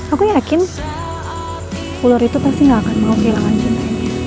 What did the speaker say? aku yakin ulur itu pasti gak akan mau kehilangan cinta